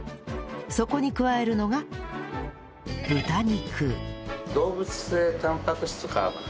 そこに加えるのが豚肉